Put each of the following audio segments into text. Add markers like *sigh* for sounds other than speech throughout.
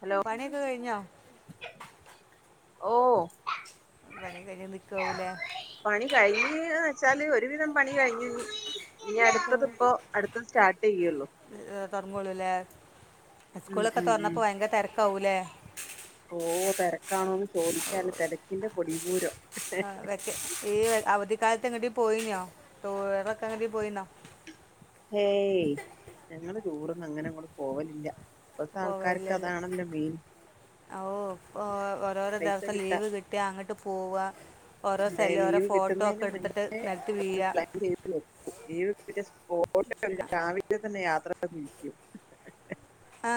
Hello പണിയൊക്കെ കഴിഞ്ഞോ ഓ പണി കഴിഞ്ഞു നിക്കാവൂലേ ചാല് ഒരുവിധം പണി കഴിഞ്ഞീ ഇനി അടുത്തത്പ്പോ അടുത്തത് സ്റ്റാർട്ട് ചെയ്യുള്ളു തുടങ്ങൂലേ സ്കൂളൊക്കെ തുറന്നപ്പോൾ ഭയങ്കര തെര ക്കാവൂലേ ഓ തിരക്കാണോന്ന് ചോദിക്കാല്ല തിരക്കിന്റെ പൊടിപൂരം ആ വെക്കെ ഈ അവധിക്കാല ങ്ങട്ടി പോയിന ട്ടുറൊക്കെ എങ്ങട്ടി പോയിന്നാ ഹേയ് ഞങ്ങള് ടുറൊന്നും അങ്ങനെ അങ്ങോട്ട പോവലില്ല ഇപ്പത്തെ ആൾക്കാർക്ക് പോവല്ലല്ലേ അതാണല്ലോ മെയിൻ ഓ ഓരോരോ പൈസ ദിവസം കിട്ടാ ലീവ് കിട്ടിയ അങ്ങോട്ട് പോവ അതെ ലീവ് കിട്ടുന്നതിന് മേ നിരത്തി വീഴുക പ്ലാൻ ചെയ്ത്ക്ക ലീവ് രാവില *unintelligible* ന്നെ യാത്ര പറരിക്കും ആ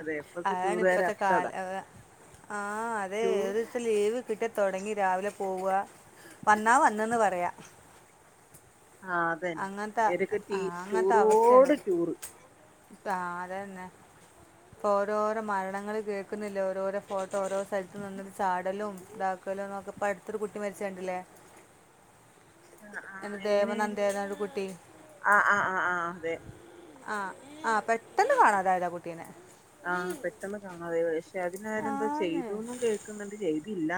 അതെ ഇപ്പത്തെ അതാണ് ടൂറുകാരെ ഇപ്പത്തെ അവസ്ഥ അതാ കാല ആഹ് അതെ ടൂർ ഏത് ലീവ് കിട്ടത്തൊടങ്ങി രാവിലെ പോവുക വന്നാ വന്നെന്ന് പറയാ ആഹ് അത തന്നെ ഏതൊക്കെ ട ആ ടൂറോട് ടൂറ് അത തന്നെ ഇപ്പൊ ഓരോരോ മരണങ്ങളൾ കേൾക്കുന്നില്ല ഓരോരോ ഫോ ഇ ഓരോ സ്ഥലത്തും നന്നൊരു ചാടലും ഇതാക്കലന്നൊക്കെപ്പ അടുത്തൊരു കുട്ടി മരിച്ചണ്ടല്ലേ ആ ആഹ് എങ്ങനെ കുട്ടി ആഹ് ആഹ് ആ് ആഹ് അതെ ആഹ് ആ പെട്ടെന്ന് കാണാതായതാ കുട്ടീനെ ആഹ് പെട്ടെന്ന് കാണാതയത പക്ഷെ അതിനരെ എന്തോ ആന്ന് ചെയ്തുന്നും കേൾക്കുന്നുണ്ട് ചെയ്തു ഇല്ല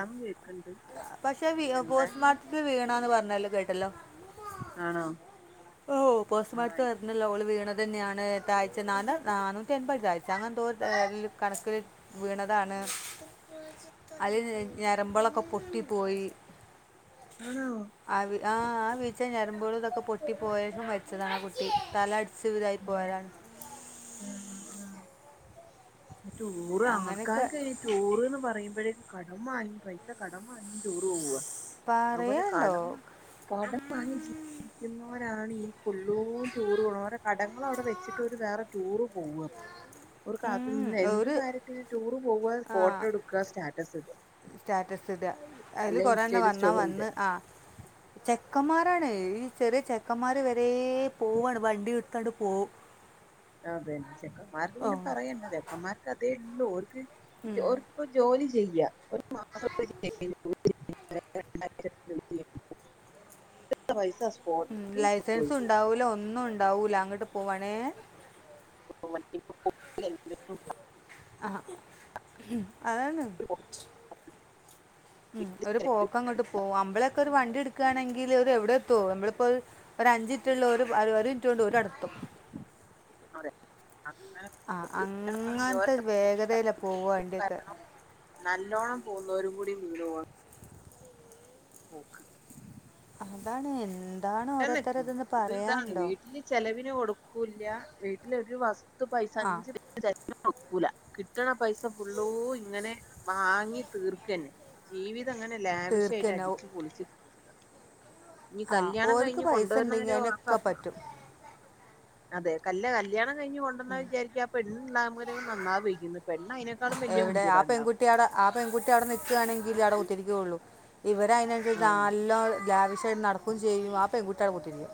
പക്ഷെ വി പോസ്റ്റ്മോർട്ടത്തിൽ വീണന്ന് പറഞ്ഞല്ലോ കേട്ട ഹലോ ആണോ ഓ പോസ്റ്റ് മാർട്ടം ആഹ് വരുന്നല്ലോ അവള് വീണ അത് തന്നെയാണ് എട്ടാഴ്ച ന നാനൂറ്റി എൺപത് ആഴ്ച അങ്ങനെന്തോ കണക്കില് വീണതാണ് അതി ഞരമ്പോളൊക്കെ പൊട്ടിപ്പോയി ആണോ ആ വീ- ആ ആ വീചെ ഞരമ്പുകളും തൊക്കെ പൊട്ടി പോയേഷം മരിച്ചതാണ് ആ കുട്ടി തല അടി സിവ് ലായി ആഹ് പോയതാണ് ആഹ് ടൂറ് അങ്ങനെയൊക്കെ ആൾക്കാർക്ക് ടൂറ്ന്ന് പറയുമ്പോഴേ കടം വാങ്ങി പൈസ കടം വാങ്ങി ടൂർ പോവ അതുപോലെ പറയണ്ടോ കടം കടം വാങ്ങി ജീവിക്കുന്നേരാണ് ഫുള്ളും ടൂർണ ഓരോ കടങ്ങള് അവിടെ വെച്ചിട്ട് വേറെ ടൂർ പോവ ഒരു ക ഉം, എന്ത് ഒരു കാര്യത്തിന് ടൂർ പോവാ ആ ഫോട്ടോ എട്ക്കാ സ്റ്റാറ്റസ് ഇടാ സ്റ്റാറ്റസ് ഇടുക അതിൽ അല്ലെ കുറേ എണ്ണം ഇൻസ്റ്റല് വന്നാൽ സ്റ്റോറി ഇടാ ആണ് ഈ ചെറിയ ചെക്കന്മാര് വരെ ഏ പോവാണ് വണ്ടി വിട്ട തടുപ്പോ അതെ *unintelligible* ചെക്കന്മാർക്ക് പിന്നെ പറയണ്ട ചെക്കന്മാർക്ക് അതെ ലോർക് *unintelligible* ജോലി ചെയ്യാ ഓല് *unintelligible* *unintelligible* മ് ലൈസൻസുണ്ടാവൂല ഒന്നും ണ്ടാവൂല അ ങ്ങട്ട് പോവണേ *unintelligible* അ അആണ് ഉം ഒര് പോക്കങ്ങട്ട് പോവും മ്മളോക്കെ ഒര് വണ്ടിട്‌ക്കാണെങ്കില് ഒവ്ടെത്തോ മ്മള്പ്പഹ് ഒരഞ്ചിൻറ്റ്ളോല് ഒരിന്റോണ്ട് ഓല് അവ്ടെത്തും റ ആ അങ്ങൻത്തെ വേഗതെല് പോവണ്ടെ പോവ്ന്നൊരും കൂടി വീണോവാണ് പോക്ക് അതാണെ *unintelligible* താണ് വീട്ടില് ചെലവിന് കൊടുക്കൂല്ലാ വീട്ടിലൊരു വസ് ത്തു പൈസ ആ അഞ്ച് പൈസ *unintelligible* കിട്ട്ണ പൈസ ഫുള്ളൂ ഇങ്ങനെ വാങ്ങി തീർക്കെന്നെ ജീവി തങ്ങനെ തീർക്ക് ലാവിഷായിട്ട് തന്നെ ഓ- അടിച്ച് പൊളിച്ച് ഇനി ആ കല്യാണം ഓര്ക്ക് കഴിഞ്ഞ് പയ്സണ്ടെങ്ങി കൊണ്ടുവന്നാലോ അയ്‌നോക്കെ പറ്റും അതേ അല്ല കല്ല്യാണ കയ്ഞ്ഞ് കൊണ്ടന്ന വിചാരിക്കും ആ പെണ്ണ് ഉണ്ടാവുമ്പൊരു നന്നാവുവായി ക്കുന്ന് പെണ്ണയ്‌നേക്കാലും വെല്ല്യ എവിടെ ആ മുന്തിയത് ഉണ്ടാവുക പെൺകുട്ടി അവിടെ ആ പെൺകുട്ടി ഇവരെ അനുസരിച്ചു നല്ല ലാവിഷാ നടക്കുകയും ചെയ്യും ആ പെൺകുട്ടിയവിടെ കുത്തിയിരിക്കും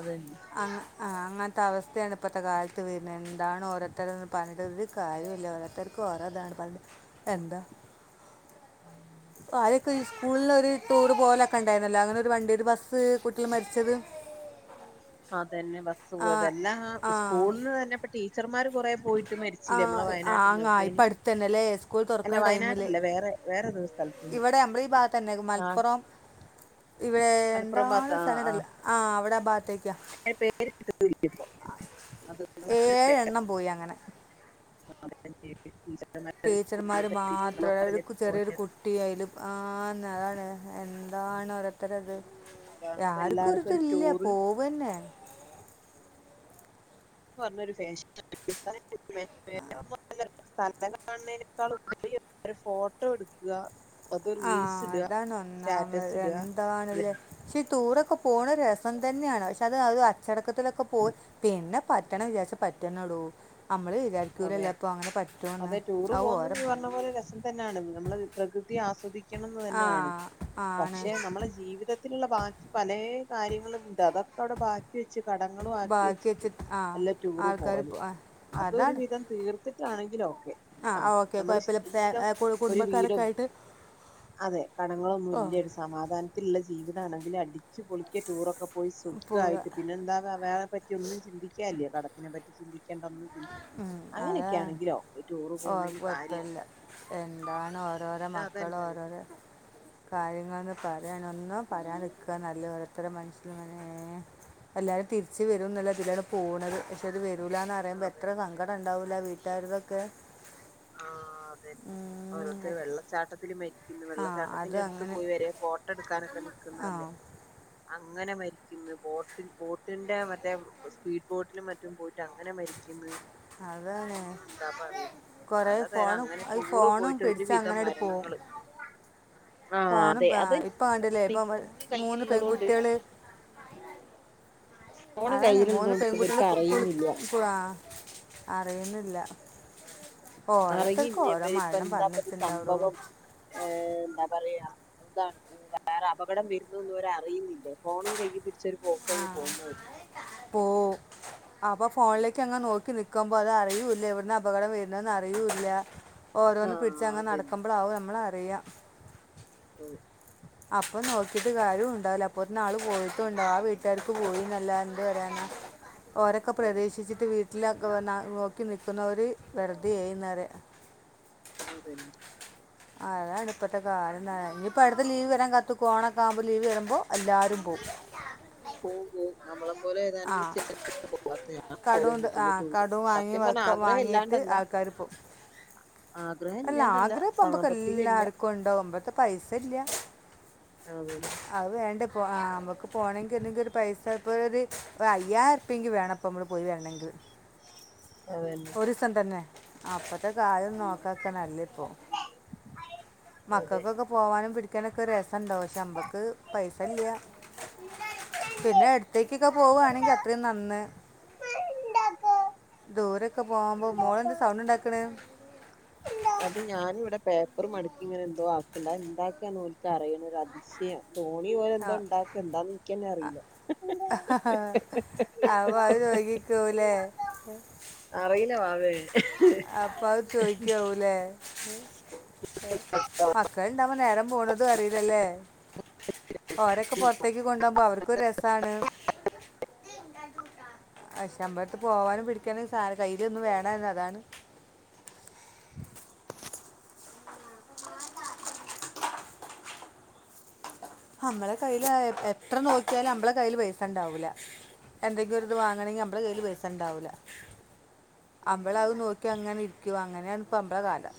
അതന്നെ ആഹ് ആഹ് അങ്ങനത്തെ അവസ്ഥയാണ് ഇപ്പത്തെ കാലത്ത് വര്ന്നെ ഇതാണ് ഓരോരുത്തരു പറഞ്ഞിട്ട് ഒര് കാര്യുല്ല ഓരോരുത്തർക്കും ഓരോ തെരക്കാണ് എന്താ ആദ്യക്കേ ഈ സ്കൂൾന്ന് ഒര് ടൂർ പോവലൊക്കെ ണ്ടായിരുന്നല്ലോ അങ്ങനൊരു വണ്ടി ഒരു ബസ് കുട്ടികള് മര്ച്ചത് അതന്നെ ബസ് പോയത് ആ *unintelligible* സ്കൂളിന്ന് തന്നെ *unintelligible* ടീച്ചർമാര് കൊറേ പോയി ആ ആ അങ്ങ് ഇപ്പോ അട്ത്തന്നെലേ സ്കൂൾ അല്ല തുറക്കുന്ന ടൈമില് വയനാട്ടിലല്ല വേറെ വേറേതോ സ്ഥലത്തുന്ന് ഇവടെ നമ്മളെ ഈ ഭാഗത്തന്നെ ആ മലപ്പുറം ഇവിടെ മലപ്പുറം എന്താണ് ഭാഗത്ത് ആ സ്ഥലം ഉണ്ടല്ലോ ആ അവിടെ ആ ഭാഗത്ത് പേര് ഇപ്പൊ അത് ഏഴെണ്ണം പോയി അങ്ങനെ സാധകം ചെയ്ത് ടീച്ചർമാര് മാത്രം അതായത് കു ചെറിയോരു പോയത് കുട്ടി ആയില് ആന്ന് അതാണ് എൻ എന്താണ് ഓരോര്ത്തരത് അതാണ് ഇപ്പ രാര്ക്കും എല്ലാർക്കും ഒരു ഒര്തില്ല ടൂറ് പോവന്നെ പ്പ അതൊരു ഫെഷനാരിക്കും *unintelligible* ഫോട്ടോ എടുക്കാ ആ അതാണ് ഒന്നാമത് ഇടുക എന്താണ്ലേ ഷേ ടൂറ് ഒക്കെ പോണത് രസം തന്നെയാണ് അത് അത് അച്ചടക്ക ത്തിലൊക്കെ പോയ്‌ പിന്നെ പറ്റണംന്ന് വിചാരിച്ചാ പറ്റന്നെടൂ അമ്മള് അതെ വിചാരിക്കൂലല്ലോ പ്പൊ അങ്ങനെ പറ്റോന്ന് അതെ ടൂറ് അത് പോകുന്നത് ഓരെ നീ പറഞ്ഞ പോലെ രസം തന്നെയാണ് നമ്മള് പ്രകൃതി ആസ്വദി ക്കണംന്ന്തന്നെ ആണ് ആണ് പക്ഷേ നമ്മളെ ജീവിത ത്തിലുള്ള ബാക്കി പലേ കാര്യങ്ങളുംണ്ട് അതൊക്കെ അവിടെ ബാക്കി വെ ച്ച് കടങ്ങളും ബാക്കി ആക്കിവച്ചിട്ട് വെച്ചിട്ട് ആ അല്ല ടൂറ് ആൾക്കാർ പോവല് അ അതാണ് ഇതൊരുവിധം തീർത്ത് ട്ടാണെങ്കിലാവും. ആ ഓക്കെ കൊയപ്പല്ല ഫെ എപ്പൊഴും ഒരു കുടുംബക്കാരൊക്കെ വീടും ആയിട്ട് ഓ ത്തിള്ള ജീവിതാണ് അതില് അടിച്ചു പൊളിക്ക ടൂറൊക്കെ പോയി സുഖായിട്ട് പോവുക പിന്നെന്താന്ന് വേറെപറ്റി ഒന്നും ചിന്തിക്കാൻല്ല്യാ കടത്തിനെ പറ്റി ചിന്തിക്കെണ്ട ഒന്നും ചി ഉം അതെ പോകുന്നതിന് കാര്യല്ല *unintelligible* എന്താണ് ഓരോരോ ഇത് മക്കള് അതല്ലല്ലോ ഓരോരോ കാര്യങ്ങള് പറയാനൊന്നും പറയാതിരിക്കാ നല്ലത് ഓരോരുത്തരുടെ മനസ്. *unintelligible* ച്ച് വരും എന്നുള്ള ഇതിലാണ് പോണത്. പഷേ അത് വേ രൂല ന്നറിയുമ്പേ അതന്നെ സങ്കടണ്ടാവുലെ ആ വീട്ടികാര്തൊക്കെ ആ തെ ഓരോര്ത്തര് എ- വെള്ളച്ചാട്ടത്തില് മരി ആ അത് വെള്ളച്ചാട്ടത്തിന്റെ അടുത്ത് അങ്ങനെ പോയി വരെ ഫോട്ടോ എടുക്കാനൊക്കെ ആ നിക്കുന്നല്ലേ. അങ്ങനെ മരിക്ക്ന്ന് ബോട്ട് ബോട്ടിന്റെ മറ്റേ സ്പീഡ് ബോട്ടിലും മറ്റും പോയിട്ട് അങ്ങനെ മരിക്ക്ന്ന് അതാണ്. കൊറെ പലതരം ഫോണും അങ്ങനെ ടൂറ് ഫോണും പോയിട്ട് ഒരുവിധം പിടിച്ചങ്ങനെ അട് പോവും മരണങ്ങള് ആഹ് ഫോണും അതെ അത് ഇപ്പ കണ്ടില്ലേ ഇപ്പം ഫോണ് മൂന്ന് കയ്യിലുള്ളതുകൊണ്ട് പെൺകുട്ടികള്. ഫോണ് അതാണ് മൂന്ന് കയ്യിലുള്ളതുകൊണ്ട് പെൺകുട്ടികൾ ഇവർക്ക് അറിയുന്നില്ല കുളി അറിയുന്ന ഇല്ല. അറിയന്നപ്പൊ എന്താ പറഞ്ഞിട്ടുണ്ടാവുള്ളൂ സംഭവം എന്ത പറയാ എന്താണ് വേറെ അപകടം വരുന്നന്ന്ര അറിയുന്നില്ലേ ഫോണും കയ് പിടിച്ചര് പോക്ക്ങ്ങ് പോകുന്നവര് പോ അപ്പൊ ഫോണിലേക്ക് അങ്ങ് നോക്കി നിക്കുമ്പോ അത് അറിൂല്ല എവിടന്ന് അപകടം വരുന്നന്ന് അറിയൂല്ല. ഓരോന്ന് പിടിച്ച്ച് ആഹ് അങ്ങ് അതന്നെ നടക്കുമ്പോൾകും നമ്മള അെയ അത അപ്പൊ നോക്കിട്ട് കാര്യം ഉണ്ടാവില്ല അപ്പത്ത ആള് പോയിട്ടും ഉണ്ടാവും ആ വീട്ടുകാർക്ക് പോയി നല്ല എന്ത് പറയാന. ഓരൊക്കെ അതെ പ്രതീശിച്ചിട്ട് വീട്ട ട്ടില നോക്കി നിക്കുന്നവര് വെറുതെന്നായി പറയാ. അഹ തന്നെ. അതാണ് ഇപ്പത്തെ കയം ഇനിയിപ്പോ അടുത്ത് ലീവ് വരാൻ കത്ത കോോണ ഒക്ക ആകുമ്പോ ലീവ് വരുമ്പോ പോ പോ നമ്മളെപ്പോലെ ആ ഏതാനും ചേ് പോവാത്ത കടവും ത- ആ ഞല ടൂറ് കടവും വാങ്ങി സത്യം പറഞ്ഞ വക്ക- ആഗ്രഹം വാങ്ങിയിട്ട് ഇല്ലാണ്ടല്ല. ആൾക്കാർ പോവും ആഗ്രഹം അല്ല ഇല്ലാണ്ടല്ല ആഗ്രഹപ്പ്പൊക്ക സാമ്പത്തികം ഇല്ല എല്ലാർക്കുംണ്ടാവകുമ്പഴത്തെ പൈസ ഇല്ല അതന്നെ അത് വേണ്ട നമുക്ക് പോകണമെങ്കിൽ എന്തെങ്കിൽ ഒരു പൈസ ഇപ്പോ ഒരു അയ്യായിരം ഉർപ്യങ്കി വേണം അപ്പ നമ്മള് പോയി വരണമെങ്കിൽ അതന്നെ ഒരുസം തന്നെ അപ്പൊത്തക ക്കാരും ഉം നോക്ക നല്ലിപ്പോ അതെ മക്കക്കൊക്കെ പോവാനും പിടി നൊക്കെ രസംണ്ടോ നമ്മക്ക് പൈസ ഇല്ല പിന്നെ അടുത്തേക്കൊക്കെ പോവുവാണെങ്കി അത്രയും നന്ന് ദൂരൊക്കെ പോകുമ്പോ മോള എന്ത് സൗണ്ട് ഉണ്ടാക്കണ് അത് ഞാനിവിടെ പേപ്പറും മടുക്കി ഇങ്ങനെ എന്തോ ആക്കണ്ട് അത് എന്താക്കാന്നോലിക്ക് അറിയണ ഒരു അതിശയ തോണി പോലെ ആ. എന്തോ ഉണ്ടാക്ക എന്താന്ന് എനിക്കന്നെ അറിയില്ല അപ്പോൾ അത് ചോദിക്കൂലേ അറിയില്ല വാവേ അപ്പ അത് ചോയ്ക്കാവൂലേ ഉം മക്കൾ ഉണ്ടാമ്പോ നേരം പോണതും അറിയില്ലല്ലേ ഓരൊക്കെ പൊർത്തേക്ക് കൊണ്ടോകുമ്പോ അവർക്ക് രസാണ് അമ്പലത്ത് പോവാനും പിടിക്കാനും സാധ കയ്യില ഒന്നും വേണന്ന് അതാണ് നമ്മളെ കയ്യിൽ എത്ര നോക്കിയാലും നമ്മളെ കൈൽ പൈസ ഉണ്ടാവൂല എന്തെങ്കിലും ഒരു ഇത് വാങ്ങണെങ്കിൽ നമ്മള കൈൽ പൈസണ്ടാവൂല്ല അമ്മള അത് നോക്കി അങ്ങനെ ഇരിക്കുവ അങ്ങനെയണ ഇപ്പളെ കാലം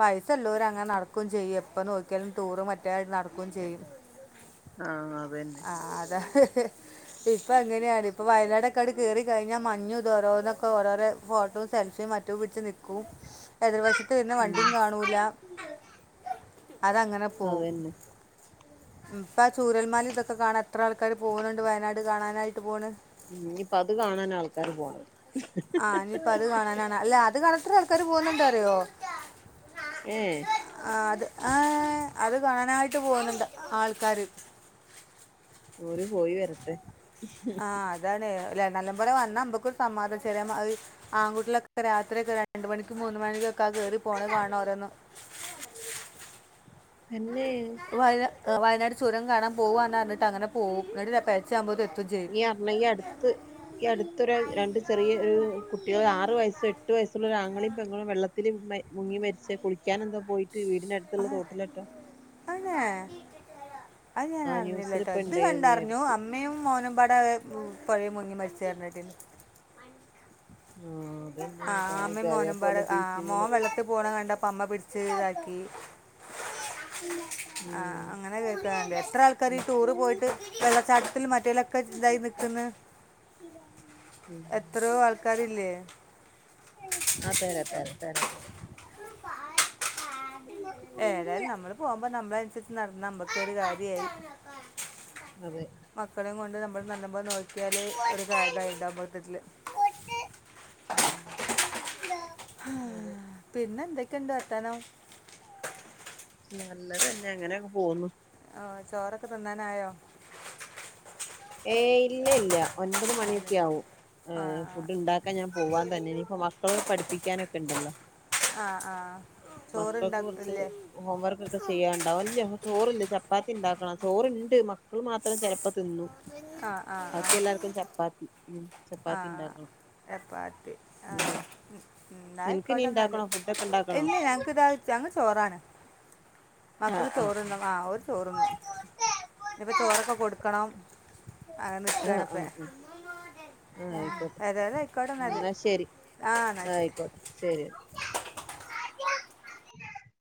പൈസള്ളവര് അങ്ങനെ നടക്കുകയും ചെയ്യും എപ്പ നോക്കിയാലും ടൂറ് മറ്റ ഒറ്റായി നടക്കോം ചെയ്യും ആഹ് അതന്നെ ആഹ് അതാ ഇപ്പൊ എങ്ങനെയാണ് ഇപ്പൊ വയനാടൊക്കെ അങ്ങട് കേറി കഴിഞ്ഞാൽ മഞ്ഞുത് ഓരോന്നൊക്കെ ഓരോരോ ഫോട്ടോ സെൽഫിയും മറ്റും പിടിച്ച് നക്കും എതിർവശത്ത് തന്നെ ഉം വണ്ടിയും കാണൂല അതങ്ങനെ പോവും അതന്നെ ഇപ്പ ആ ചൂരൽമാലി ഇതൊക്കെ കാണാൻ അത്ര ആൾക്കാര് പോകുന്നുണ്ട് വയനാട് കാണാനായിട്ട് പോണ് ഉം ഇപ്പൊ അത് കാണാൻ ആൾക്കാര് പോണം ആഹ് ഇനിയിപ്പ അത് കാണാനാണ് അല്ലെ അത് കാണ അത്ര ആൾക്കാർ പോന്നെന്താറിയോ? ഏഹ് ആ അത് ആഹ് അത് കാണായി വിട്ട് പോന്നുണ്ട് ആൾക്കാര് ഓര് പോയി വരട്ടെ ആഹ് അതാണ് ല നല്ല പോലെ വന്നാ മ്മക്കൊരു സമാ ചെറിയ ആ ആൺകുട്ടിലൊക്കെ രാത്രി ഒക്കെ രണ്ട് മണിക്ക് മൂന്ന് മണിക്കൊക്ക കേറി പോണ കാണണം ഓരോന്ന് തന്നെ വയനാ വയനാട് ചുരം കാണാൻ പോവാന്ന് പറിഞ്ഞിട്ട് അങ്ങനെ പോകും എന്നിട്ട് പേ ച മുദത്ത് ഈ അമ്മ അടുത്ത് ഈ അടുത്തൊരു രണ്ട് ചെറിയ ഒരു കു ആറ് വയസ്സ് എട്ട് വയസ്സുള്ള ഒരാങ്ങളും പെങ്ങളും വെള്ളത്തില് മ മുങ്ങി മരിച്ച് കുളിക്കാൻ എന്താ പോയി വീടിന് ആ, അടുത്തുള്ള തോട്ടിലാറ്റോ ആണേ അത് ഞാൻ അറിഞ്ഞില്ല ട്ടോ അത് ഇണ്ടായിരുന്നു ഈ കണ്ടറിഞ്ഞു അടുത്ത് അമ്മയും മോനും പട പുഴയി മുങ്ങി മരിച്ചരുന്നട്ടീ ആഹാ ആഹാ അമ്മയും മോനുമ്പാട് ആഹാ മോൻ വെള്ളത്തിൽ പോണ കണ്ടപ്പ അമ്മ പിടിച്ച് ഇതാക്കി ആ ഉം അങ്ങനെ കേക്കാറുണ്ട് എത്ര ആൾക്കാർ ഈ ടൂറ് പോയിട്ട് വെള്ളച്ചാട്ടത്തിൽ മറ്റേലൊക്കെ ഇതായി നിൽക്കുന്നു ഉം എത്രയോ ആൾക്കാരില്ലേ അതെ അതെ അതെ അതെ ന നമുക്ക് ഒരു കാര്യം ആയി അതെ മക്കളെയും കൊണ്ട് നമു *unintelligible* ഒരു കാർ ഉം ഡ്രൈവ് *inaudible* ഹ അതെ പിന്നെ എന്തൊക്ക എന്താണ് വർത്താനം നല്ലത് തന്നെ അങ്ങനെ അങ്ങ് പോകുന്നു ചോറ് ഒക്കേ തിന്നാറായോ ഏയ് ഇല്ലില്ലാ ഒമ്പതുമണി ഒക്കെ ആവും ആ മും ഫുഡ് ഉണ്ടാക്കാൻ ഞാൻ പോവാന്ന് അതിന് മക്കളെ പഠിപ്പിക്കാൻ ഒക്കേ ഒണ്ടല്ലോ ആ ആ മക്കക്ക് കുറച്ച് ചോറുണ്ടാക്കില്ലേ ഹോംവർക്ക് ഒക്കേ ചെയ്യാൻ ഉണ്ടാവും ല്ല്യാ ചോറില്ലാ ച ചപ്പാത്തി ഇണ്ടാക്കണം ചോറുണ്ട് മക്കള് മാത്രമേ ചിലപ്പോ തിന്നു ആ ആ ആ ഉം ആ ചപ്പാത്തി ഉണ്ടാക്കണം അപ്പാത്തി ആ അങ്ങനെ ന്നാ നിനക്ക് നീ ആയിക്കോട്ടെ എന്നാല് ഉണ്ടാക്കണോ ഫുഡൊക്കെ ഉണ്ടാക്കണോ ഇല്ല ഞങ്ങൾക്ക് ദാ ഞങ്ങ ചോറാണ് മക്കള് ചോറിന്നും ആഹ് ഓര് ചോറുന്നും ഇനി ഇപ്പോ ചോറൊക്കെ കൊടുക്കണം ആ ആഹ് ആഹ് നിക്കാണ് ഇപ്പെ ആഹ് ആഹ് ആഹ് ആയിക്കോട്ടെ എന്നാ ശരി ആ എന്നാൽ ശരി ആയിക്കോട്ടെ ശരി *unintelligible*